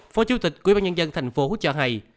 phó chủ tịch quyên bán nhân dân thành phố cho hay